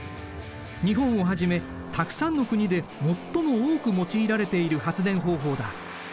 日本をはじめたくさんの国で最も多く用いられている発電方法だ。